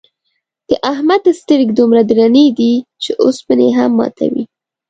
د احمد سترگې دومره درنې دي، چې اوسپنې هم ماتوي.